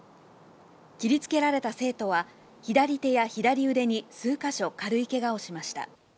切りつけられた生徒は、左手や左腕に数か所軽いけがをしました。